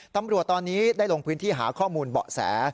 ตำรวจตอนนี้ได้ลงพื้นที่หาข้อมูลเบาะแส